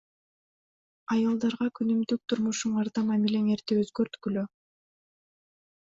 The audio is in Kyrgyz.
Аялдарга күнүмдүк турмушуңарда мамилеңерди өзгөрткүлө.